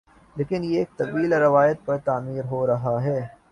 لیکن یہ ایک طویل روایت پر تعمیر ہو رہا ہے